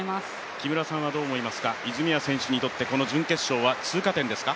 木村さんはどう思いますか、泉谷選手にとってこの準決勝は通過点ですか？